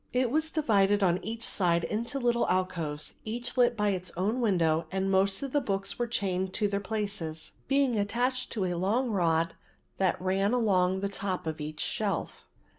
It was divided on each side into little alcoves, each lit by its own window and most of the books were chained to their places, being attached to a long rod that ran along the top of each shelf.